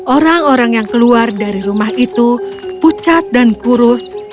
orang orang yang keluar dari rumah itu pucat dan kurus